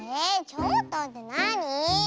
ちょっとってなに？